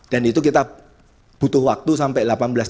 dan itu kita butuh waktu sampai delapan belas tiga puluh